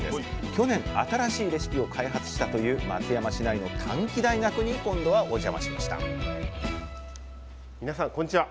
去年新しいレシピを開発したという松山市内の短期大学に今度はお邪魔しました皆さんこんにちは。